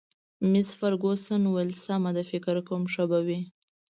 مس فرګوسن وویل: سمه ده، فکر کوم ښه به وي.